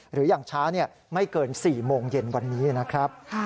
หรืออย่างช้าไม่เกิน๔โมงเย็นวันนี้นะครับ